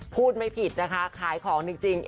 พูดไม่ผิดนะคะขายของจริง